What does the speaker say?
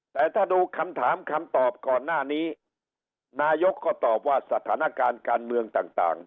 แต่ถ้าดูคำถามคำตอบก่อนหน้านี้นายกก็ตอบว่าสถานการณ์การเมืองต่าง